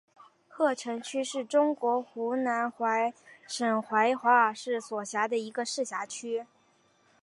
鹤城区是中国湖南省怀化市所辖的一个市辖区。